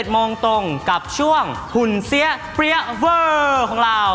โมงตรงกับช่วงหุ่นเสี้ยเปรี้ยเวอร์ของเรา